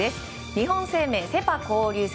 日本生命セ・パ交流戦。